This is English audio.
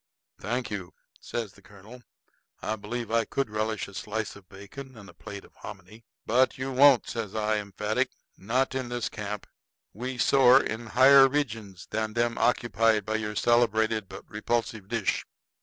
"Thank you," says the colonel; "I believe I could relish a slice of bacon and a plate of hominy." "But you won't," says I emphatic. "Not in this camp. We soar in higher regions than them occupied by your celebrated but repulsive dish."